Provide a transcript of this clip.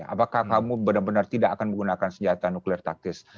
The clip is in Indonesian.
apakah kamu benar benar tidak akan menggunakan senjata nuklir taktis